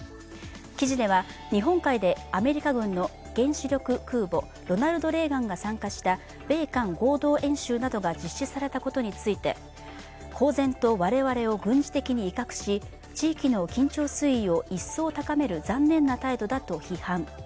記事では日本海でアメリカ軍の原子力空母「ロナルド・レーガン」が参加した米韓合同演習などが実施されたことについて、公然と我々を軍事的に威嚇し、地域の緊張水位を一層高める残念な態度だと批判。